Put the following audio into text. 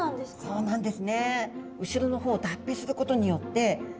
そうなんです。